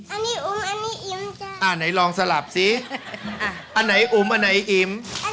อันนี้อุ๋มอันนี้อิ่มจ้ะอ่าไหนลองสลับสิอันไหนอุ๋มอันไหนอิ๋ม